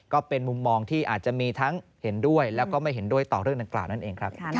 ก็เป็นมุมมองที่อาจจะมีทั้งเห็นด้วยแล้วก็ไม่เห็นด้วยต่อเรื่องดังกล่าวนั่นเองครับ